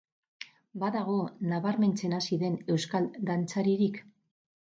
Badago nabarmentzen hasi den euskal dantzaririk?